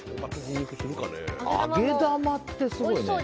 揚げ玉ってすごいね。